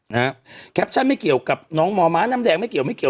นะหรือก็ไม่เกี่ยวกับน้องหม่อมะน้ำแดกไม่เกี่ยวไม่เกียว